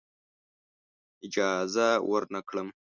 اجازه ورنه کړم.